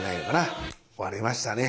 割れましたね。